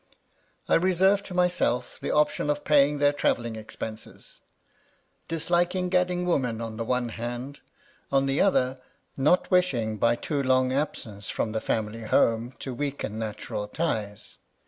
I reserve to * myself the option of paying their travelling expenses, '— disliking gadding women, on the one hand ; on the * other, not wishing by too long absence from the family * home to weaken natural ties.